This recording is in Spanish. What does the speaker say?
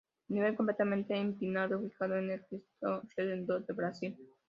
Nivel completamente empinado, ubicado en el Cristo Redentor de Brasil.